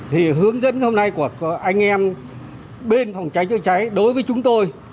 thì hướng dẫn hôm nay của anh em bên phòng cháy chữa cháy đối với chúng tôi